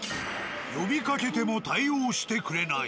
呼びかけても対応してくれない。